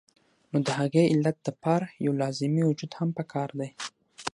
نو د هغې علت د پاره يو لازمي وجود هم پکار دے